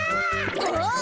あっ！